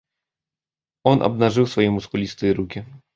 Он обнажил свои мускулистые руки.